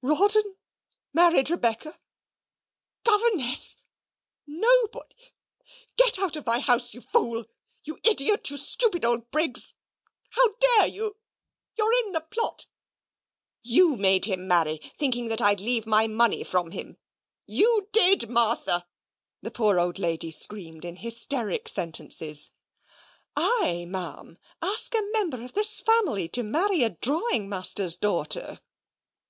"Rawdon married Rebecca governess nobod Get out of my house, you fool, you idiot you stupid old Briggs how dare you? You're in the plot you made him marry, thinking that I'd leave my money from him you did, Martha," the poor old lady screamed in hysteric sentences. "I, Ma'am, ask a member of this family to marry a drawing master's daughter?"